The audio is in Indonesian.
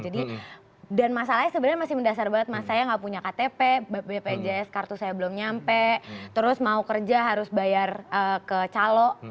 dan masalahnya sebenarnya masih mendasar banget mas saya nggak punya ktp bpjs kartu saya belum nyampe terus mau kerja harus bayar ke calo